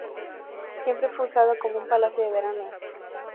Siempre fue usado como un Palacio de verano.